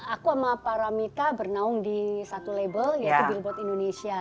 aku sama paramita bernaung di satu label yaitu billboard indonesia